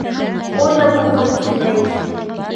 «Оля булғым килмәй»